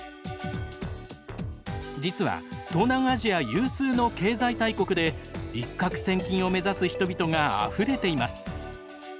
実は東南アジア有数の経済大国で一獲千金を目指す人々があふれています。